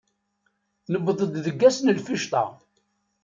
Newweḍ-d deg ass n lficṭa.